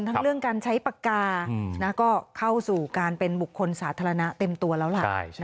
เรื่องการใช้ปากกาก็เข้าสู่การเป็นบุคคลสาธารณะเต็มตัวแล้วล่ะ